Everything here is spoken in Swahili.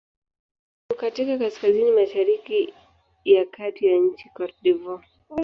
Uko katika kaskazini-mashariki ya kati ya nchi Cote d'Ivoire.